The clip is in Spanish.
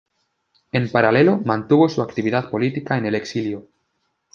En paralelo, mantuvo su actividad política en el exilio.